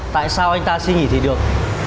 tại sao anh ta xin nghỉ thì được